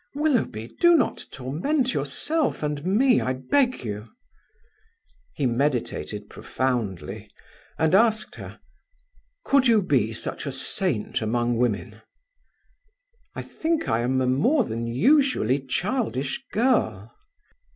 "Willoughby, do not torment yourself and me, I beg you." He meditated profoundly, and asked her: "Could you be such a saint among women?" "I think I am a more than usually childish girl."